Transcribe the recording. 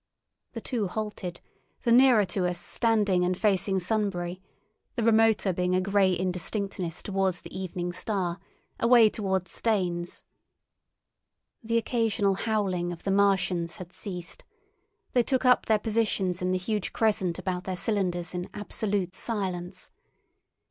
The two halted, the nearer to us standing and facing Sunbury, the remoter being a grey indistinctness towards the evening star, away towards Staines. The occasional howling of the Martians had ceased; they took up their positions in the huge crescent about their cylinders in absolute silence.